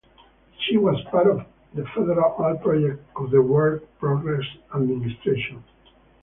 She was part of the Federal Art Project of the Works Progress Administration.